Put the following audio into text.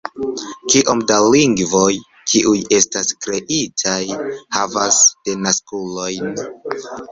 Kiom da lingvoj, kiuj estas kreitaj, havas denaskulojn?